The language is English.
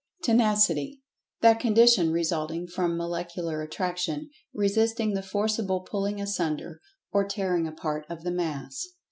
Tenacity: That condition resulting from Molecular Attraction resisting the forcible pulling asunder, or tearing apart of the Mass.